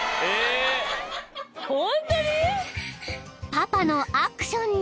［パパのアクションに］